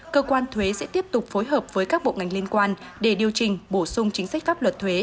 cơ quan thuế sẽ tiếp tục phối hợp với các bộ ngành liên quan để điều trình bổ sung chính sách pháp luật thuế